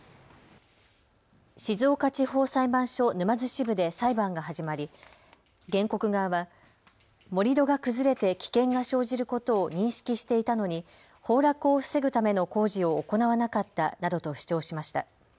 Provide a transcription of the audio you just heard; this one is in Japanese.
静岡地方裁判所沼津支部で裁判が始まり原告側は盛り土が崩れて危険が生じることを認識していたのに崩落を防ぐための工事を行わなかったなどと主張しました。